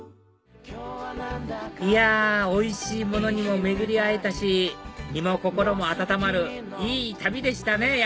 いやおいしいものにも巡り合えたし身も心も温まるいい旅でしたね